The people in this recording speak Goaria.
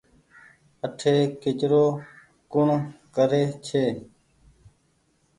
اٺي ڪچرو ڪوڻ ڪري ڇي ۔